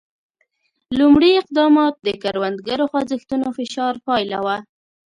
لومړي اقدامات د کروندګرو خوځښتونو فشار پایله وه.